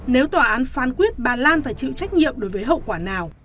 nếu tòa án phán quyết bà lan phải chịu trách nhiệm đối với hậu quả nào